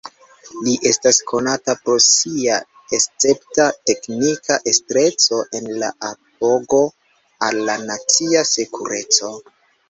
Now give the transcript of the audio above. Li estas konata pro sia escepta teknika estreco en apogo al la nacia sekureco.